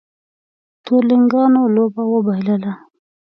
تورلېنګانو لوبه وبایلله